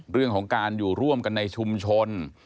เรื่องของการอยู่ร่วมกันในชุมชน